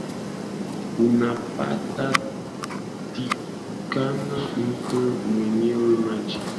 Kunapatikana mto wenye maji moto ya Mutagata ambacho ni kivutio cha utalii